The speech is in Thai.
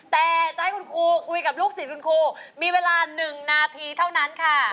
แต่จะให้คุณครูคุยกับลูกศิษย์คุณครูมีเวลา๑นาทีเท่านั้นค่ะ